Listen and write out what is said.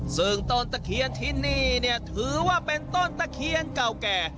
ซึ่งต้นตะเคียนที่นี่เนี่ยถือว่าเป็นต้นตะเคียนเก่าแก่